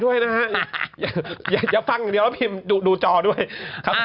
โอเคค่ะ